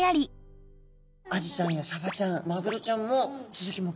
アジちゃんやサバちゃんマグロちゃんもスズキ目ですので。